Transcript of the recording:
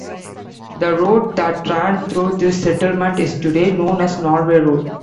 The road that ran through this settlement is today known as Norway Road.